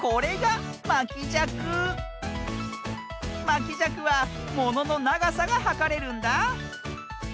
まきじゃくはもののながさがはかれるんだ。